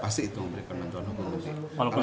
pasti itu memberikan bantuan hukum